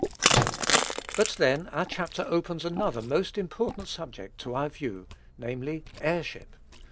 But, then, our chapter opens another most important subject to our view, namely, heirship.